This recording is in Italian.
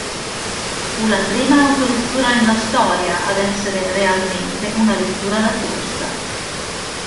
Fu la prima autovettura nella storia ad essere realmente una vettura da corsa.